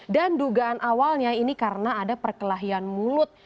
dan dugaan awalnya ini karena ada perkelahian mulut